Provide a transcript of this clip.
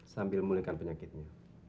sambil memulihkan penyakitnya